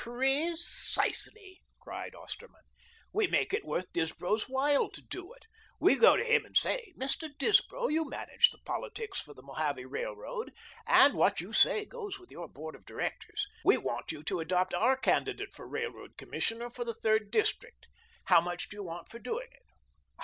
"PREE cisely," cried Osterman. "We make it worth Disbrow's while to do it. We go to him and say, 'Mr. Disbrow, you manage the politics for the Mojave railroad, and what you say goes with your Board of Directors. We want you to adopt our candidate for Railroad Commissioner for the third district. How much do you want for doing it?'